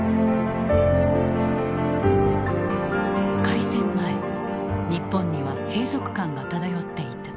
開戦前日本には閉塞感が漂っていた。